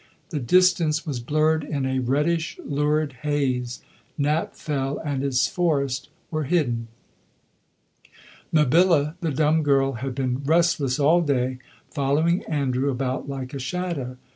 The distance was blurred in a reddish lurid haze; Knapp Fell and its forest were hidden. Mabilla, the dumb girl, had been restless all day, following Andrew about like a shadow.